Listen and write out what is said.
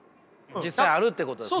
実際あるっていうことですね？